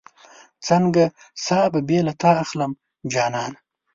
څنګه ساه به بې له تا اخلم جانانه